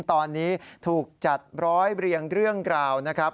ตอนนี้ถูกจัดร้อยเรียงเรื่องกล่าวนะครับ